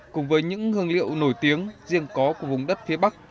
cùng với những hương liệu nổi tiếng riêng có của vùng đất phía bắc